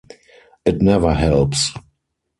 It never helps.